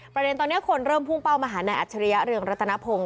ประเด็นตอนนี้คนเริ่มพุ่งเป้ามาหานายอัจฉริยะเรืองรัตนพงศ์